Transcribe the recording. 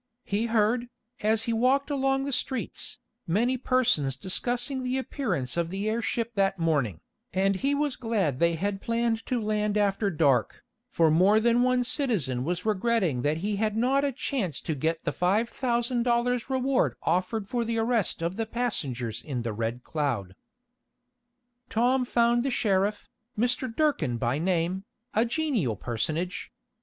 He heard, as he walked along the streets, many persons discussing the appearance of the airship that morning, and he was glad they had planned to land after dark, for more than one citizen was regretting that he had not had a chance to get the five thousand dollars reward offered for the arrest of the passengers in the Red Cloud. Tom found the sheriff, Mr. Durkin by name, a genial personage.